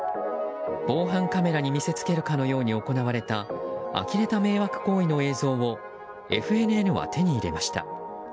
防犯カメラに見せつけるかのように行われたあきれた迷惑行為の映像をＦＮＮは手に入れました。